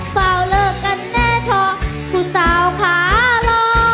เฝ้าเลิกกันแน่เถอะผู้สาวขารอ